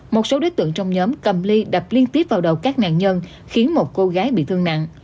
một số đối tượng trong nhóm cầm ly đập liên tiếp vào đầu các nạn nhân khiến một cô gái bị thương nặng